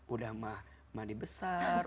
udah mah mandi besar